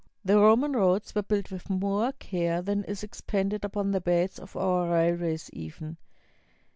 The Roman roads were built with more care than is expended upon the beds of our railways even.